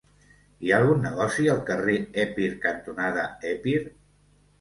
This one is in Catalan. Hi ha algun negoci al carrer Epir cantonada Epir?